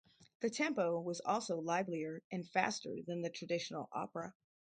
The tempo was also livelier and faster than the traditional opera.